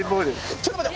ちょっと待って。